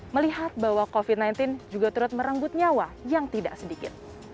melihat bahwa covid sembilan belas juga turut merenggut nyawa yang tidak sedikit